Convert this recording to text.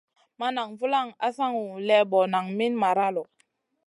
Ma nan vulaŋ asaŋu lébo naŋ min mara lo.